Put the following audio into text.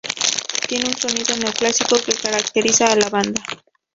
Tiene un sonido neoclásico que caracteriza a la banda.